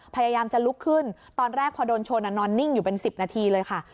พยายามจะลุกขึ้นตอนแรกพอโดนชนนอนนิ่งอยู่เป็น๑๐นาทีเลยค่ะ